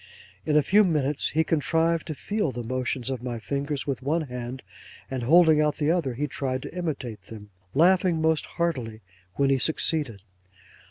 In a few minutes he contrived to feel the motions of my fingers with one hand, and holding out the other he tried to imitate them, laughing most heartily when he succeeded.